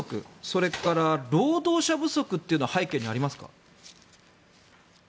それから、労働者不足というのは背景にありますか。